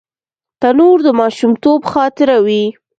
تنور د ماشومتوب خاطره وي